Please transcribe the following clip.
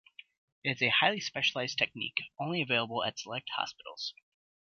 It is a highly specialized technique only available at select hospitals.